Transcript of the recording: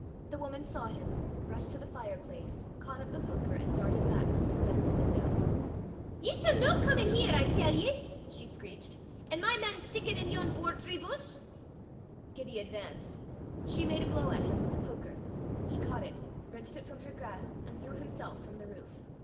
The woman saw him, rushed to the fire place, caught up the poker, and darted back to defend the window. "Ye s' no come in here, I tell ye," she screeched, "an' my man stickin' i' yon boortree buss!" Gibbie advanced. She made a blow at him with the poker. He caught it, wrenched it from her grasp, and threw himself from the roof.